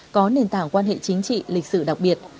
có nền tảng quan hệ chính trị lịch sử đặc biệt